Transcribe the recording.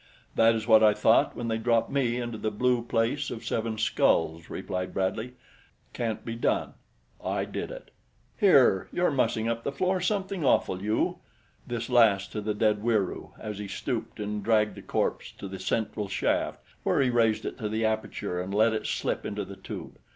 "That is what I thought when they dropped me into the Blue Place of Seven Skulls," replied Bradley. "Can't be done. I did it. Here! You're mussing up the floor something awful, you." This last to the dead Wieroo as he stooped and dragged the corpse to the central shaft, where he raised it to the aperture and let it slip into the tube.